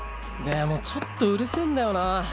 でもちょっとうるせぇんだよな。